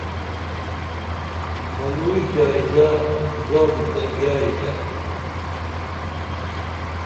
منوئیں جائزہ زادی تہ گیائی تیہ